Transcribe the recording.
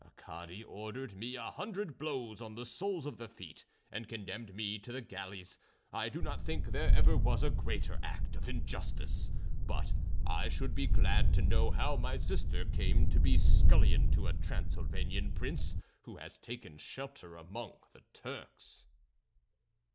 A cadi ordered me a hundred blows on the soles of the feet, and condemned me to the galleys. I do not think there ever was a greater act of injustice. But I should be glad to know how my sister came to be scullion to a Transylvanian prince who has taken shelter among the Turks."